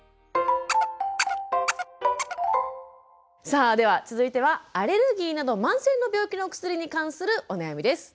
さあでは続いてはアレルギーなど慢性の病気のお薬に関するお悩みです。